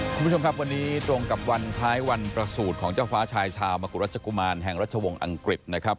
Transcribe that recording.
คุณผู้ชมครับวันนี้ตรงกับวันคล้ายวันประสูจน์ของเจ้าฟ้าชายชาวมกุรัชกุมารแห่งรัชวงศ์อังกฤษนะครับ